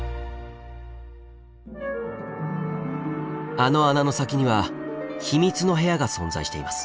あの穴の先には秘密の部屋が存在しています。